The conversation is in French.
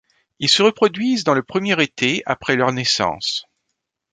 Ils se reproduisent dans le premier été après leur naissance.